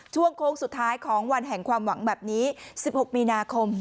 โค้งสุดท้ายของวันแห่งความหวังแบบนี้๑๖มีนาคม